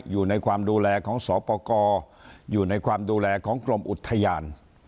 อยู่ในความดูแลของสปกรอยู่ในความดูแลของกรมอุทยาน